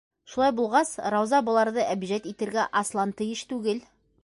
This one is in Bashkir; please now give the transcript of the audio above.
Шулай булғас, Рауза быларҙы әбижәйт итергә аслан тейеш түгел!